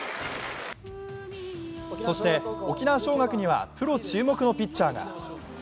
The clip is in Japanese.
そして、沖縄尚学にはプロ注目のピッチャーが。